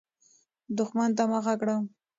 دښمن ته مخه کړه.